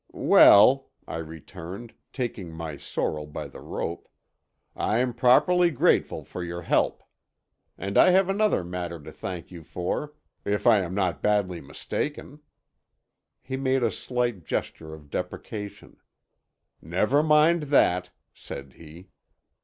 "Well," I returned, taking my sorrel by the rope, "I'm properly grateful for your help. And I have another matter to thank you for, if I am not badly mistaken." He made a slight gesture of deprecation. "Never mind that," said he.